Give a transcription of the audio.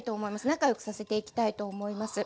仲良くさせていきたいと思います。